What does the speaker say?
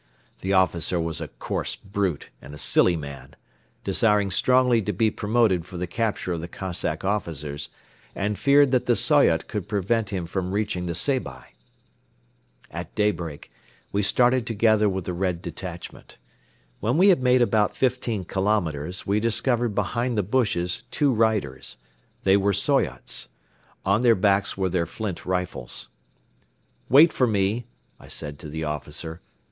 The officer was a coarse brute and a silly man, desiring strongly to be promoted for the capture of the Cossack officers, and feared that the Soyot could prevent him from reaching the Seybi. At daybreak we started together with the Red detachment. When we had made about fifteen kilometers, we discovered behind the bushes two riders. They were Soyots. On their backs were their flint rifles. "Wait for me!" I said to the officer.